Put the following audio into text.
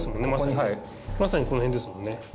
まさにこの辺ですもんね。